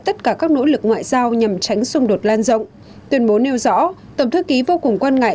tất cả các nỗ lực ngoại giao nhằm tránh xung đột lan rộng tuyên bố nêu rõ tổng thư ký vô cùng quan ngại